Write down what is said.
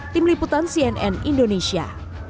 tim liputan cnn indonesia